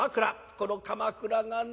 この『鎌倉』がね